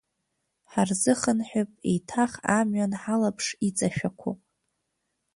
Ҳарзыхынҳәып еиҭах амҩан ҳалаԥш иҵашәақәо.